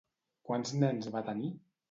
Quants nens va tenir?